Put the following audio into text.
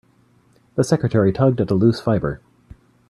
The secretary tugged at a loose fibre.